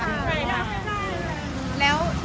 ใช่ไม่ได้